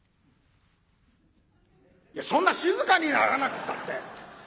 いやそんな静かにならなくったって。